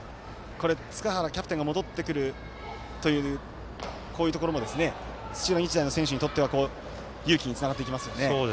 塚原キャプテンが戻ってくるというこういうところも土浦日大の選手にとっては勇気につながっていきますよね。